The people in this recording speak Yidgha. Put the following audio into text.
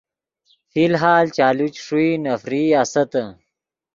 فی الحال چالو چے ݰوئی نفرئی آستّے۔